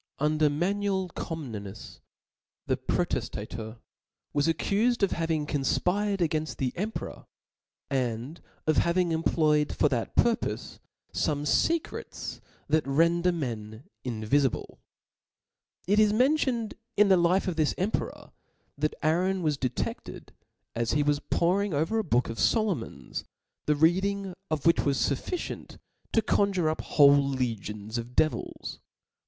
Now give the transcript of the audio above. Under Manuel Comnenus, the Protejtatcr {})^Nicetas, Was accufed of having confpired againft the erti nuercomt peror, and of having employed for that purpofe"^""^, fome fecrets that render men invifible. It is men °°tioncd in the life of this emperor {^) ih^t Aaron {^)ih\A. Was detefted, as he was poring oVer a book of Solomon's, the reading of which was fufficient to coiyUre Up whole legions of devils.